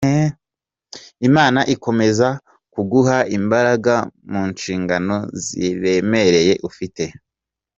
Imana ikomeze kuguha imbaraga mu nshingano ziremereye ufite.